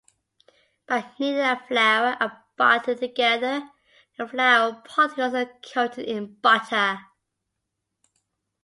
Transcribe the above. By kneading the flour and butter together, the flour particles are coated in butter.